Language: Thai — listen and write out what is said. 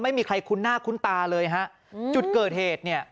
ไม่มีใครคุ้นหน้าคุ้นตาเลยฮะอืมจุดเกิดเหตุเนี่ย